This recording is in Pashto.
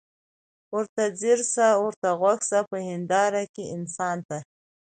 ورته ځیر سه ورته غوږ سه په هینداره کي انسان ته